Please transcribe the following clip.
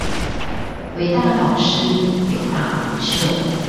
偉大導師、偉大領袖